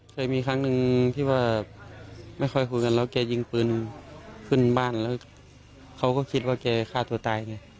เคยมีครั้งหนึ่งก็คิดว่าไม่ค่อยพูดแล้วเก๊ยิงปืนขึ้นบ้านเขาก็คิดว่าเก๊ฆ่าตัวตาย